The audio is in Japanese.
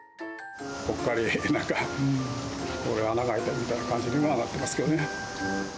ぽっかりなんか、心に穴が開いたみたいな感じにはなってますけどね。